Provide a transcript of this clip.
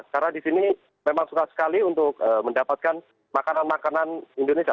karena di sini memang suka sekali untuk mendapatkan makanan makanan indonesia